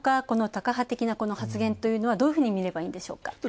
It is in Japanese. このタカ派的な発言というのはどういうふうに見ればいいんでしょうか。